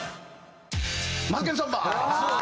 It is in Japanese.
『マツケンサンバⅡ』。